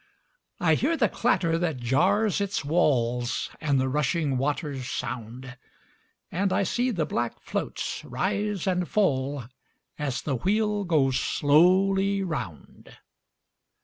I hear the clatter that jars its walls, And the rushing water's sound, And I see the black floats rise and fallAs the wheel goes slowly round.